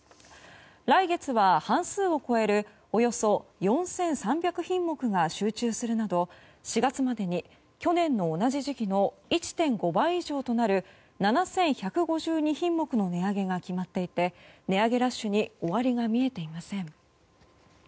来月は半数を超えるおよそ４３００品目が集中するなど４月までに去年の同じ時期の１．５倍以上となる７１５２品目の値上げが決まっていて値上げラッシュに終わりが見えていません。